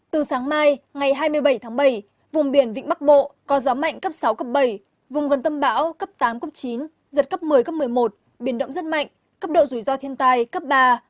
từ sáng mai ngày hai mươi bảy tháng bảy vùng biển vịnh bắc bộ có gió mạnh cấp sáu cấp bảy vùng gần tâm bão cấp tám cấp chín giật cấp một mươi cấp một mươi một biển động rất mạnh cấp độ rủi ro thiên tai cấp ba